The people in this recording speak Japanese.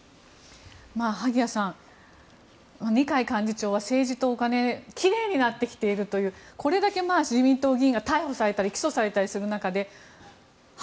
萩谷さん、二階幹事長は政治とお金奇麗になってきているというこれだけ自民党議員が逮捕されたり起訴されたりしている中であ？